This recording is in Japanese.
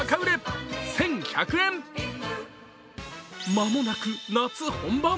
間もなく夏本番。